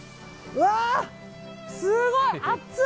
うわ、すごい！